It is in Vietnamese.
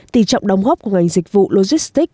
tỷ trọng đóng góp của ngành dịch vụ logistic